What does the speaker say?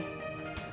coba deh kamu bayangin